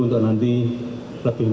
untuk nanti lebih luas